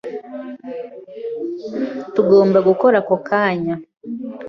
Tugomba gukora ako kanya.